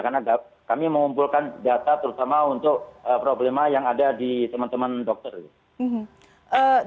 karena kami mengumpulkan data terutama untuk problema yang ada di teman teman dokter